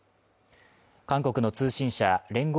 韓国の通信社聯合